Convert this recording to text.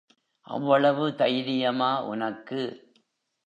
அவ்வளவு தைரியமா உனக்கு?